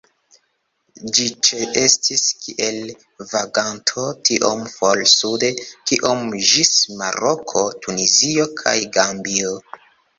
Ĝi ĉeestis kiel vaganto tiom for sude kiom ĝis Maroko, Tunizio kaj Gambio.